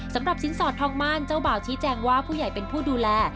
สำหรับสินสอดทองมั่นเจ้าบ่าวชี้แจงว่าผู้ใหญ่เป็นผู้ดูแล